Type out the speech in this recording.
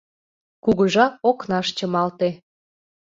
Кугыжа окнаш чымалте